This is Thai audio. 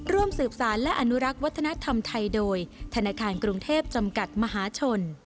ร่วมสืบสารและอนุรักษ์วัฒนธรรมไทยโดยธนาคารกรุงเทพจำกัดมหาชน